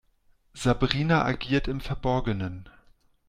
Sabrina agiert im Verborgenen.